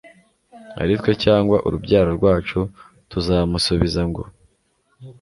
ari twe cyangwa urubyaro rwacu, tuzamusubiza ngo